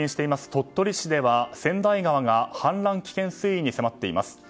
鳥取市では千代川が氾濫危険水位に迫っています。